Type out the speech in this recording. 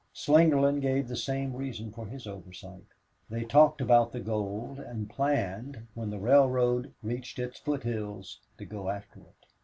Slingerland gave the same reason for his oversight. They talked about the gold and planned, when the railroad reached the foot hills, to go after it.